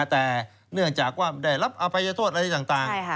แต่เนื่องจากว่าได้รับอภัยโทษอะไรต่าง